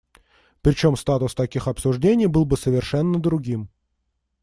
Причем статус таких обсуждений был бы совершенно другим.